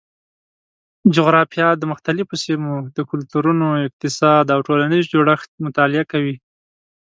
جغرافیه د مختلفو سیمو د کلتورونو، اقتصاد او ټولنیز جوړښت مطالعه کوي.